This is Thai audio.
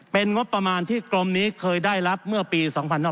เป็นงบประมาณที่กรมนี้เคยได้รับเมื่อปี๒๕๕๙